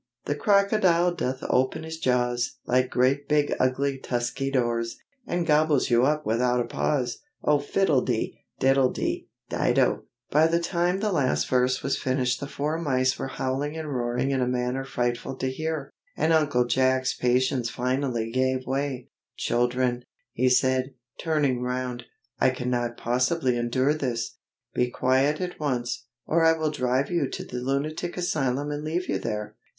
The Crocodile doth open his jaws, Like great big ugly tusky doors, And gobbles you up without a pause, Oh! fiddledy, diddledy, dido! [Illustration: "THEY STOOD LOOKING AT THE MICE."] By the time the last verse was finished the four mice were howling and roaring in a manner frightful to hear, and Uncle Jack's patience finally gave way. "Children," he said, turning round, "I cannot possibly endure this. Be quiet at once, or I will drive you to the Lunatic Asylum and leave you there!